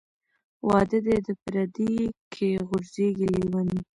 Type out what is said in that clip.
ـ واده دى د پرديي کې غورځي لېوني .